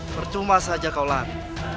bercuma saja kau lari